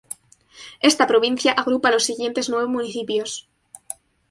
Esta provincia agrupa los siguientes nueve municipios.